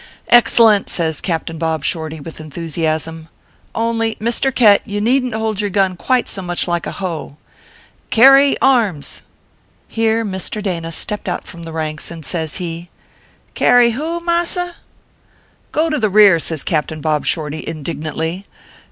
" Excellent !" says Captain Bob Shorty, with en thusiasm. " Only, Mr. Khett, you needn t hold your gun quite so much like a hoe. Carry arms !" Here Mr. Dana stepped out from the ranks, and says he :" Carrie who, mars r ?"" Go to the rear," says Captain Bob Shorty, indig nantly.